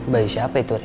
bayi siapa itu ri